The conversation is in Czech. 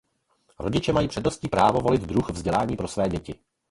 Rodiče mají přednostní právo volit druh vzdělání pro své děti.